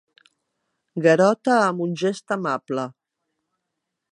Garota amb un gest amable.